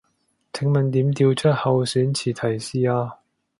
請問點調出候選詞提示啊